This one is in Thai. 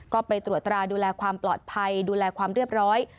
ก็ไปตรวจตราดูแลความปลอดภัยดูแลความเรียบร้อย